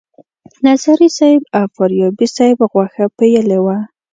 نظري صیب او فاریابي صیب غوښه پیلې وه.